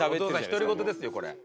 独り言ですよこれ。